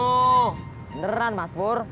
beneran mas pur